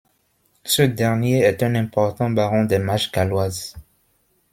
Ce dernier est un important baron des Marches galloises.